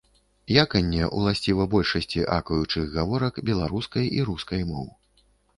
Яканне ўласціва большасці акаючых гаворак беларускай і рускай моў.